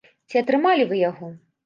Ці атрымалі вы яго?